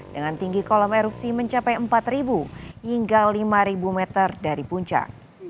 dengan tinggi kolam erupsi mencapai empat hingga lima meter dari puncak